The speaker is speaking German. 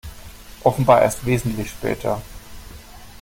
Offenbar erst wesentlich später.